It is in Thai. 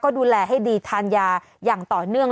ดูแลให้ดีทานยาอย่างต่อเนื่อง